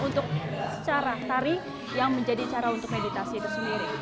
untuk cara tari yang menjadi cara untuk meditasi itu sendiri